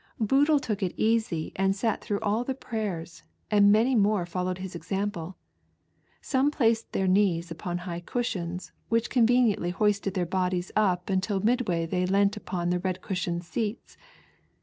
loodle took it eaay and sat through all the prayers, id many more followed his example. Some placed iheir kneoa upon high eushiouB, which conveniently lioisted their bodies up until midway they leant upon the red cushioned seats.